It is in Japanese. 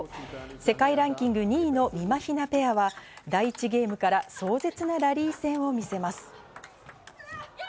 世界ランキング２位のみまひなペアは第１ゲームから壮絶なラリー戦を見せます。